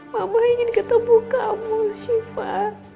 mama ingin ketemu kamu syifa